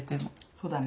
そうだね。